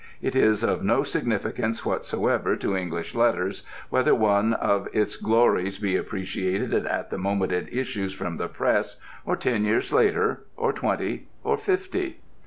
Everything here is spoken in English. It is of no significance whatsoever to English Letters whether one of its glories be appreciated at the moment it issues from the press or ten years later, or twenty, or fifty.